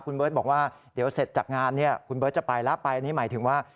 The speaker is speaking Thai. คุณเบิร์ตบอกว่าเดี๋ยวเสร็จจากงานเนี่ยคุณเบิร์ตจะไปแล้วไปอันนี้หมายถึงว่า